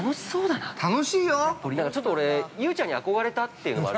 ◆なんかちょっと俺、雄ちゃんに憧れたっていうのがある。